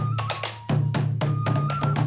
สวัสดีครับ